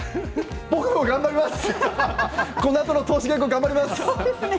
僕も頑張ります。